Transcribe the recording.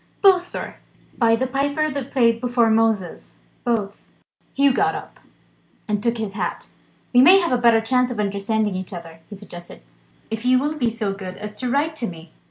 "Both, sir! By the piper that played before Moses, both!" Hugh got up, and took his hat: "We may have a better chance of understanding each other," he suggested, "if you will be so good as to write to me."